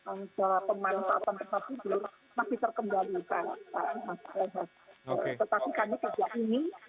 untuk tidak tertular dan tidak menjadi